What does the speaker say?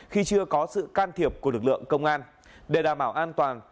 khi chưa có sự can thiệp của lực lượng công an